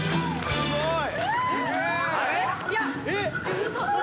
すごい！